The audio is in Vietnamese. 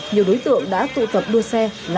nhiều đối tượng đã tụ tập đua xe